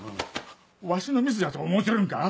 わしのミスやと思うちょるんか？